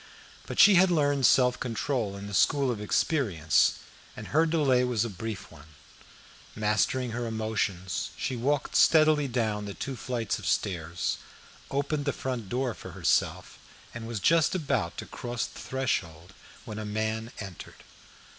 But she had learned self control in the school of experience, and her delay was a brief one. Mastering her emotions, she walked steadily down the two flights of stairs, opened the front door for herself, and was just about to cross the threshold when a man entered.